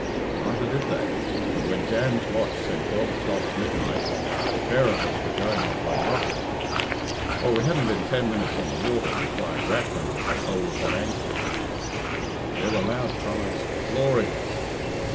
Neither did they; but when Jan's watch said twelve o'clock midnight the pair of us were going off like rockets. Well, we hadn't been ten minutes on the water before our grapplings had hould of that anchor." There were loud cries of "Glory!"